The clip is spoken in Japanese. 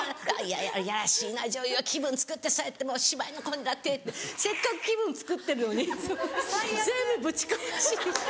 いやいやらしいな女優は気分つくってそうやって芝居のこうなって！」ってせっかく気分つくってるのに全部ぶち壊しにして。